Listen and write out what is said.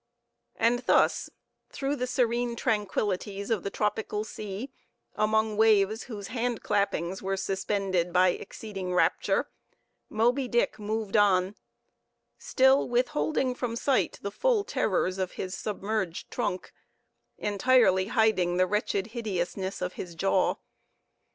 And thus, through the serene tranquillities of the tropical sea, among waves whose hand clappings were suspended by exceeding rapture, Moby Dick moved on, still withholding from sight the full terrors of his submerged trunk, entirely hiding the wretched hideousness of his jaw.